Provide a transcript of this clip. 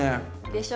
でしょ。